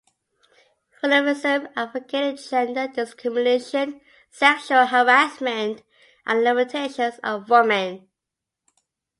feminism نے صنفی تفریق، جنسی ہراسانی، اور خواتین کی محدودیتوں کے